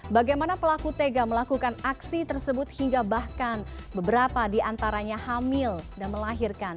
bagaimana pelaku tega melakukan aksi tersebut hingga bahkan beberapa diantaranya hamil dan melahirkan